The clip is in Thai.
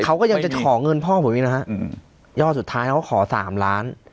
เขาก็ยังจะขอเงินพ่อผมอีกนะฮะอืมยอดสุดท้ายเขาก็ขอสามล้าน